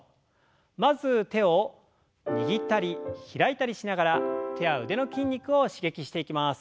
まず手を握ったり開いたりしながら手や腕の筋肉を刺激していきます。